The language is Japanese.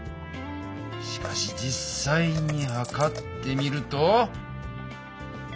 しかし実さいにはかってみると。